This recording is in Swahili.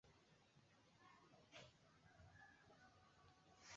Tangu mwanzo historia ya wamasai walikuwa wengi sana maeneo ya nyanda za juu Kenya